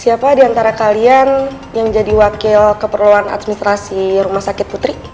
siapa diantara kalian yang jadi wakil keperluan administrasi rumah sakit putri